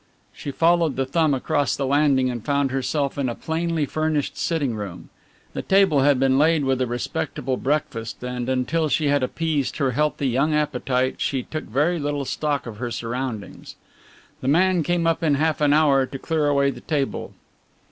She followed the thumb across the landing and found herself in a plainly furnished sitting room. The table had been laid with a respectable breakfast, and until she had appeased her healthy young appetite she took very little stock of her surroundings. The man came up in half an hour to clear away the table.